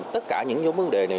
tất cả những nhóm vấn đề này